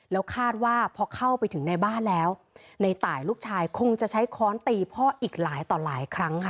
แล้วคาดว่าพอเข้าไปถึงในบ้านแล้วในตายลูกชายคงจะใช้ค้อนตีพ่ออีกหลายต่อหลายครั้งค่ะ